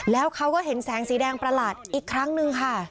แล้วเขาก็เห็นแสงสีแดงประหลาดอีกครั้งนึงค่ะ